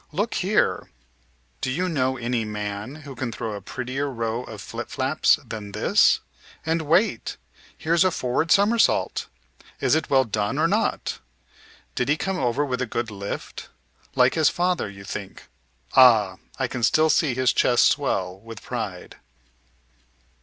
Look here! Do you know any man who can throw a prettier row of flip flaps than this? And wait! Here's a forward somersault! Is it well done or not? Did he come over with a good lift? Like his father, you think? Ah! I can still see his chest swell with pride.